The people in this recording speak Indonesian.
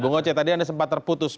bung oce tadi anda sempat terputus